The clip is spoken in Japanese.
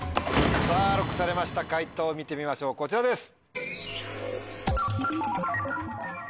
さぁＬＯＣＫされました解答見てみましょうこちらです。